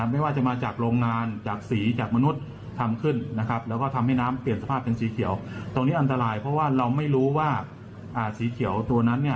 ไม่ว่าจะมาจากโรงงานจากสีจากมนุษย์ทำขึ้น